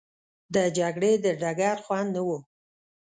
د جګړې د ډګر خوند نه وو.